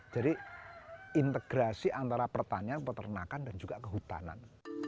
jadi integrasi antara pertanian peternakan dan juga kehutanan